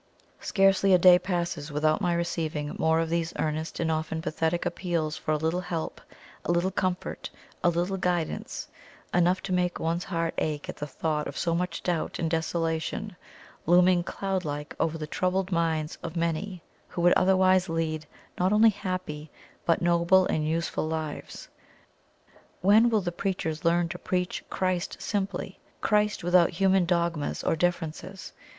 Scarcely a day passes without my receiving more of these earnest and often pathetic appeals for a little help, a little comfort, a little guidance, enough to make one's heart ache at the thought of so much doubt and desolation looming cloud like over the troubled minds of many who would otherwise lead not only happy but noble and useful lives. When will the preachers learn to preach Christ simply Christ without human dogmas or differences?